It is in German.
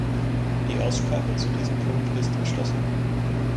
Die Aussprache zu diesem Punkt ist geschlossen.